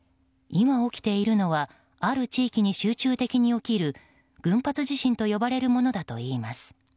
今起きているのはある地域に集中的に起きる群発地震と呼ばれるものだといいます。